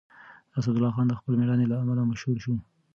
اسدالله خان د خپل مېړانې له امله مشهور شو.